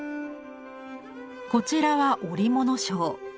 こちらは織物商。